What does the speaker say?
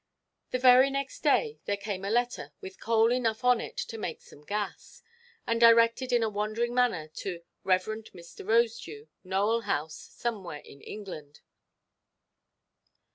The very next day there came a letter, with coal enough on it to make some gas, and directed in a wandering manner to "Rev. Mr. Rosedew, Nowelhouse, somewhere in England."